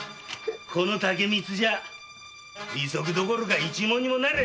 この竹光じゃぁ利息どころか一文にもならねぇや。